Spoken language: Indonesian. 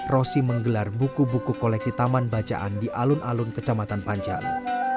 rosi menggelar buku buku koleksi taman bacaan di alun alun kecamatan panjali